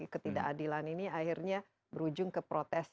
ketidakadilan ini akhirnya berujung ke protes